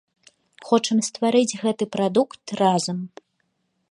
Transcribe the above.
Хочам стварыць гэты прадукт разам.